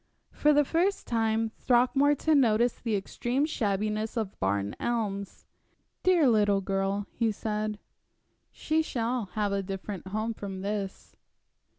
For the first time Throckmorton noticed the extreme shabbiness of Barn Elms. "Dear little girl," he said, "she shall have a different home from this."